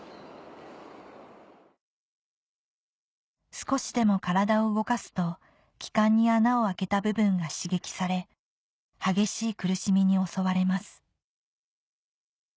少しでも体を動かすと気管に穴を開けた部分が刺激され激しい苦しみに襲われます